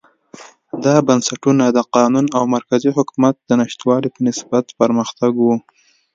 دا بنسټونه د قانون او مرکزي حکومت نشتوالي په نسبت پرمختګ و.